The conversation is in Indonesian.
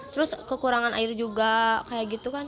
terus kekurangan air juga kayak gitu kan